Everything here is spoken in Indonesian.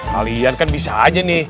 kalian kan bisa aja nih